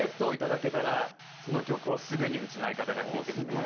その曲をすぐにうちの相方が弾いてみせます。